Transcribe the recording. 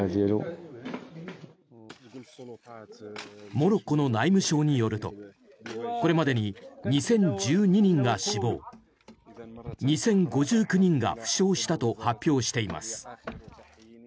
モロッコの内務省によるとこれまでに２０１２人が死亡２０５９人が負傷したと発表しています。